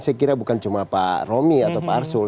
saya kira bukan cuma pak romi atau pak arsul